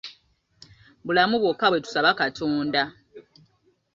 Bulamu bwokka bwe tusaba katonda.